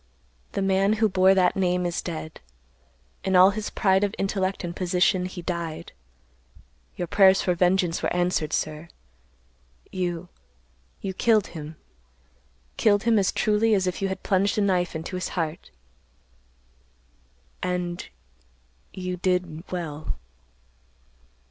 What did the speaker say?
The man who bore that name is dead. In all his pride of intellect and position he died. Your prayers for vengeance were answered, sir. You—you killed him; killed him as truly as if you had plunged a knife into his heart; and—you—did—well."